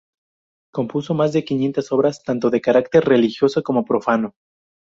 Compuso más de quinientas obras, tanto de carácter religioso como profano.